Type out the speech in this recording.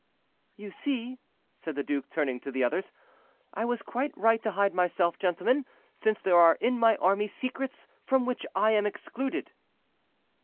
"You see," said the duke, turning to the others, "I was quite right to hide myself, gentlemen, since there are in my army secrets from which I am excluded."